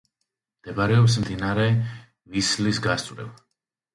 მდებარეობს მდინარე ვისლის გასწვრივ.